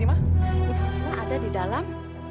ibu fatima ada di dalam